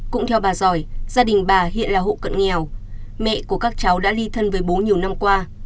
cũng theo bà giỏi gia đình bà hiện là hộ cận nghèo mẹ của các cháu đã ly thân với bố nhiều năm qua